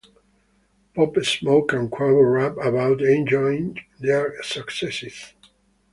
Pop Smoke and Quavo rap about enjoying their successes.